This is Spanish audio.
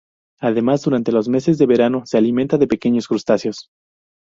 Además durante los meses de verano se alimenta de pequeños crustáceos.